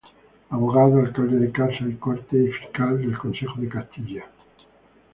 Abogado, Alcalde de Casa y Corte y Fiscal del Consejo de Castilla.